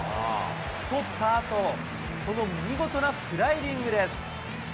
捕ったあと、この見事なスライディングです。